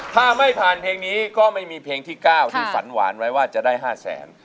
ถ้าไม่ผ่านเพลงนี้ก็ไม่มีเพลงที่๙ที่ฝันหวานไว้ว่าจะได้๕แสน